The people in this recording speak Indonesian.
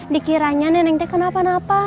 dikiranya neneng teh kenapa napa